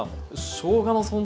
しょうが。